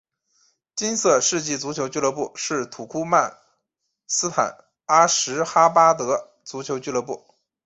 金色世纪足球俱乐部是土库曼斯坦阿什哈巴德足球俱乐部。